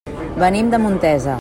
Venim de Montesa.